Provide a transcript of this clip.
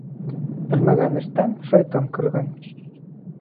Белмәгән эштән шайтан көлгән.